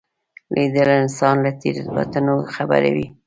لیدل انسان له تېروتنو خبروي